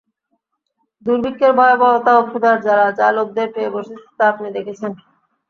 দুর্ভিক্ষের ভয়াবহতা ও ক্ষুধার জ্বালা যা লোকদের পেয়ে বসেছে তা আপনি দেখছেন।